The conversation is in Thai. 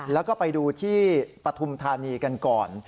แล้วก็ไปดูที่ปฐุมธานีกันก่อน